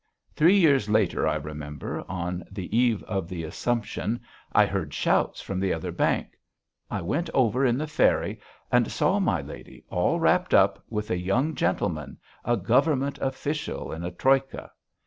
Three years later, I remember, on the eve of the Assumption, I heard shouts from the other bank. I went over in the ferry and saw my lady, all wrapped up, with a young gentleman, a government official, in a troika....